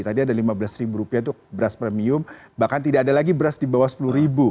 tadi ada lima belas rupiah itu beras premium bahkan tidak ada lagi beras di bawah sepuluh ribu